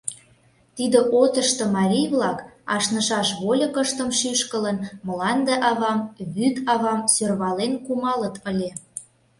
Тиде отышто марий-влак, ашнышаш вольыкыштым шӱшкылын, мланде авам, вӱд авам сӧрвален кумалыт ыле.